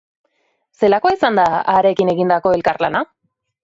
Zelakoa izan da harekin egindako elkarlana?